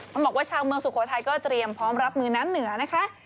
ต้องบอกว่าชาวเมืองสุโขทัยก็เตรียมพร้อมรับมือน้ำเหนือนะคะ